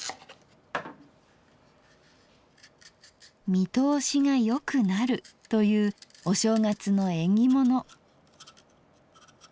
見通しがよくなるというお正月の縁起物。